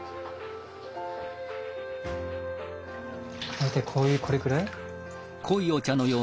大体こういうこれくらい？